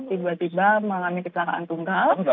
tiba tiba mengalami kecelakaan tunggal